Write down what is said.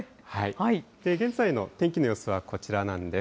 現在の天気の様子はこちらなんです。